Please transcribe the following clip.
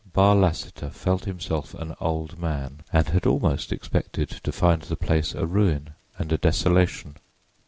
Barr Lassiter felt himself an old man, and had almost expected to find the place a ruin and a desolation.